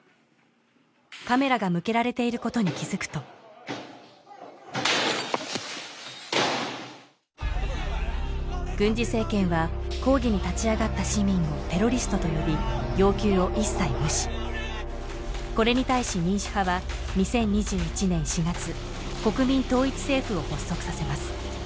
カメラが向けられていることに気づくと軍事政権は抗議に立ち上がった市民をテロリストと呼び要求を一切無視これに対し民主派は２０２１年４月国民統一政府を発足させます